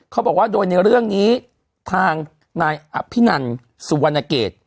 เขาบอกว่าโดยในเรื่องนี้ทางนายอภินันสุวรรณเกต